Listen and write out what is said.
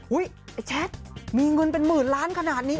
ไอ้แชทมีเงินเป็นหมื่นล้านขนาดนี้